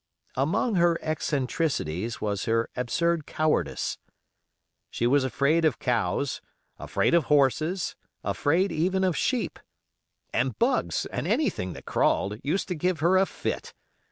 Among her eccentricities was her absurd cowardice. She was afraid of cows, afraid of horses, afraid even of sheep. And bugs, and anything that crawled, used to give her a fit.